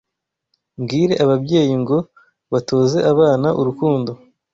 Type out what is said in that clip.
Mbwire ababyeyi ngo batoze abana urukundo